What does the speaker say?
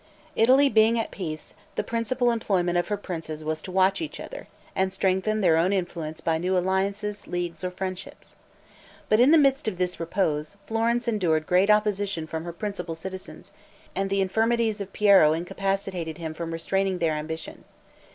Italy being at peace, the principal employment of her princes was to watch each other, and strengthen their own influence by new alliances, leagues, or friendships. But in the midst of this repose, Florence endured great oppression from her principal citizens, and the infirmities of Piero incapacitated him from restraining their ambition.